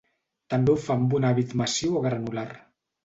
També ho fa amb un hàbit massiu o granular.